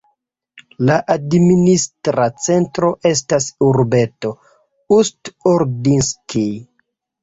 La administra centro estas urbeto Ust-Ordinskij.